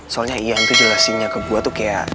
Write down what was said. soalnya ian tuh jelasinnya ke gue tuh kayak